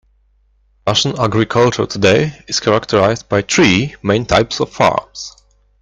Russian agriculture today is characterized by three main types of farms.